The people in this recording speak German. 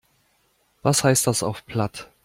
Was heißt das auf Platt?